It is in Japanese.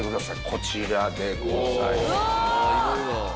こちらでございます。